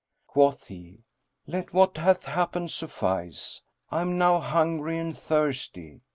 Quoth he, "Let what hath happened suffice: I am now hungry, and thirsty."